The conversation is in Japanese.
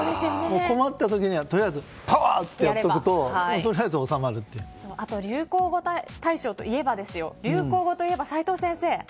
困った時には、とりあえずパワー！ってやっておくとあと、流行語大賞といえば流行語といえば、齋藤先生